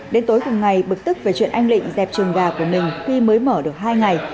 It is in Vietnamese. đến tối cùng ngày bực tức về chuyện anh lịnh dẹp trường gà của mình khi mới mở được hai ngày